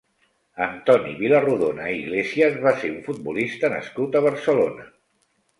Antoni Vilarrodona i Iglesias va ser un futbolista nascut a Barcelona.